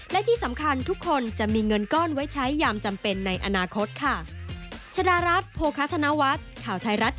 และที่สำคัญทุกคนจะมีเงินก้อนไว้ใช้ยามจำเป็นในอนาคตค่ะ